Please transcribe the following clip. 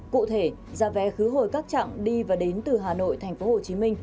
cụ thể giá vé khứ hồi các trạng đi và đến từ hà nội tp hcm